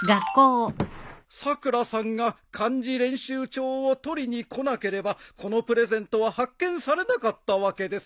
さくらさんが漢字練習帳を取りに来なければこのプレゼントは発見されなかったわけです。